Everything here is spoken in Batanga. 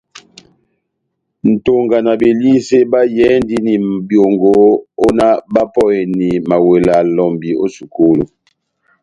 Nʼtonga na Belisé bayɛhɛndini byongo ó náh bapɔheni mawela lɔmbi ó sukulu.